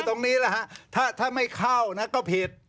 ตรงนี้แหละฮะถ้าไม่เข้านะก็ผิด